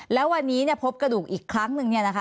แล้ววันนี้พบกระดูกอีกครั้งหนึ่งเนี่ยนะคะ